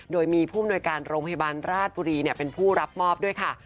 โดยมีผู้อำนวยการโรงพยาบาลราชบุรีเป็นผู้รับมอบด้วยค่ะ